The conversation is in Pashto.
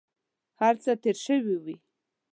هر څه تېر شوي وي.